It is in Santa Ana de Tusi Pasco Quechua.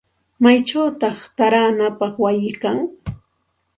¿Maychawta taaranapaq wayi kan?